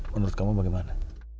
menurut kamu bagaimana